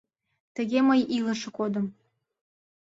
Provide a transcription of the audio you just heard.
Тыге мый илыше кодым.